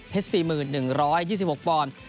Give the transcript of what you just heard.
เพชรสี่หมื่น๑๒๖ปอนด์